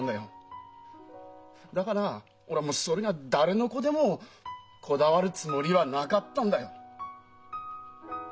だから俺はそれが誰の子でもこだわるつもりはなかったんだよ。